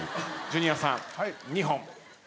ジュニアさん２本。